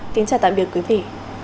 xin chào tạm biệt quý vị